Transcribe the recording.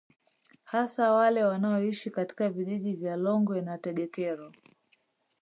Hasa wale wanaoishi katika vijiji vya Longwe na Tegekero